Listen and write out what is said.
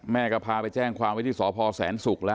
แม่ก็พาไปแจ้งความวิทยุสรพแสนซุก